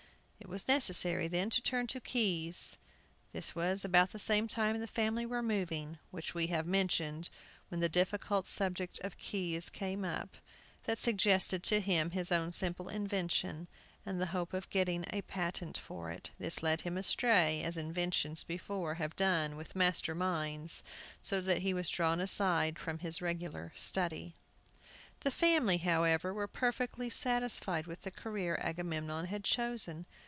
It was necessary, then, to turn to "Keys." This was about the time the family were moving, which we have mentioned, when the difficult subject of keys came up, that suggested to him his own simple invention, and the hope of getting a patent for it. This led him astray, as inventions before have done with master minds, so that he was drawn aside from his regular study. The family, however, were perfectly satisfied with the career Agamemnon had chosen.